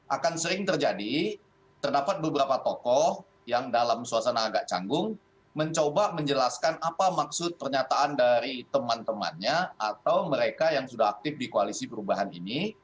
akan sering terjadi terdapat beberapa tokoh yang dalam suasana agak canggung mencoba menjelaskan apa maksud pernyataan dari teman temannya atau mereka yang sudah aktif di koalisi perubahan ini